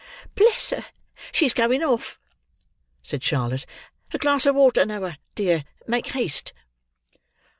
"Bless her, she's going off!" said Charlotte. "A glass of water, Noah, dear. Make haste!"